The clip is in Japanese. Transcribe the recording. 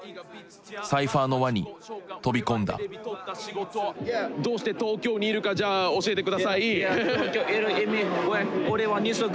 サイファーの輪に飛び込んだどうして東京にいるかじゃあ教えて下さい！